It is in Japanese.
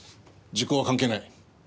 時効は関係ない。